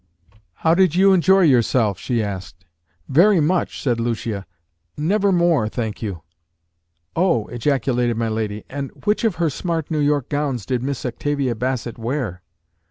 "How did you enjoy yourself?" she asked. "Very much," said Lucia; "never more, thank you." "Oh!" ejaculated my lady. "And which of her smart New York gowns did Miss Octavia Bassett wear?"